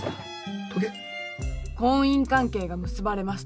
婚姻関係が結ばれました。